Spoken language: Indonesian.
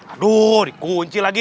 aduh dikunci lagi